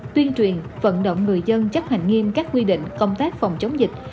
tuyên truyền vận động người dân chấp hành nghiêm các quy định công tác phòng chống dịch